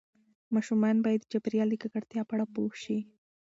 ماشومان باید د چاپیریال د ککړتیا په اړه پوه شي.